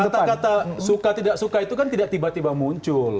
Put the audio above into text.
kata kata suka tidak suka itu kan tidak tiba tiba muncul